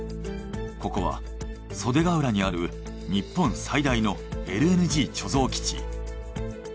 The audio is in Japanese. ここは袖ケ浦にある日本最大のＬＮＧ貯蔵基地。